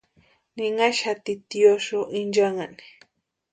Ninhaxati tiosïo inchanhani.